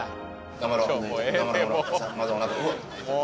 頑張ろう。